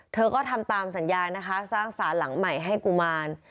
เธอก็ทำตามสัญญานะคะสร้างสารหลังใหม่ให้กุมาร